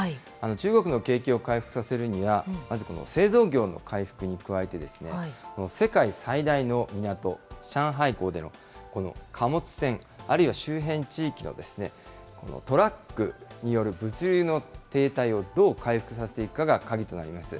中国の景気を回復させるには、まずこの製造業の回復に加えて、世界最大の港、上海港での貨物船、あるいは周辺地域のトラックによる物流の停滞をどう回復させていくかが鍵となります。